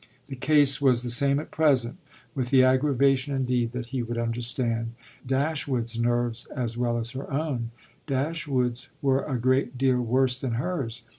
The case was the same at present, with the aggravation indeed that he would understand Dashwood's nerves as well as her own: Dashwood's were a great deal worse than hers.